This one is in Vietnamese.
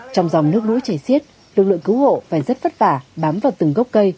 trong dòng nước lũ chảy xiết lực lượng cứu hộ phải rất vất vả bám vào từng gốc cây